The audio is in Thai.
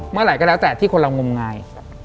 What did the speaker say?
เมื่อไหร่ก็แล้วแต่ที่คนเรางมงาย